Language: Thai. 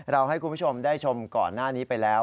ให้คุณผู้ชมได้ชมก่อนหน้านี้ไปแล้ว